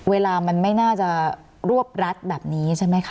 เวลามันไม่น่าจะรวบรัดแบบนี้ใช่ไหมคะ